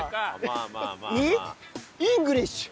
イングリッシュ。